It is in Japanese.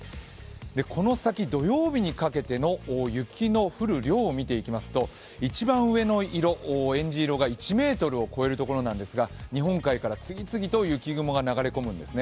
この先、土曜日にかけての雪の降る量を見ていきますと、一番上のえんじ色が１ｍを超えるところなんですが、日本海から次々と雪雲が流れ込むんですね。